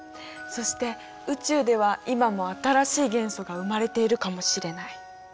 そして宇宙では今も新しい元素が生まれているかもしれない。